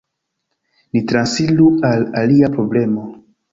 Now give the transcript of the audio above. Ni transiru al alia problemo.